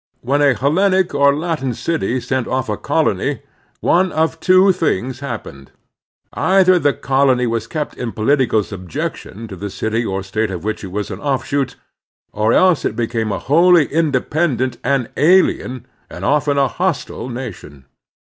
When a Hellenic or Latin city sent off a colony, one of two things happened. Either the colony was kept in political subjection to the city or state of which it was an offshoot, or else it became a wholly independent and alien, and often a hostile, nation.